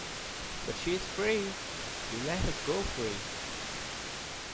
But she's free! You let her go free!